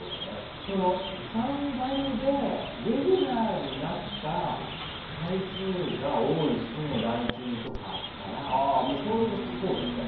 「サンバリュ」でレギュラーになった回数が多い人のランキングとかがあったら。